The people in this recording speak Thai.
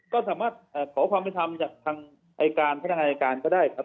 ก็สามารถขอความรับทำจากทางพนักงานอายการก็ได้ครับ